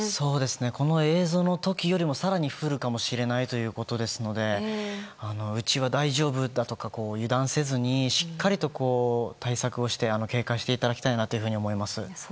この映像の時よりも更に降るかもしれないということですのでうちは大丈夫だとか油断せずにしっかりと対策をして警戒していただきたいなというふうに思います。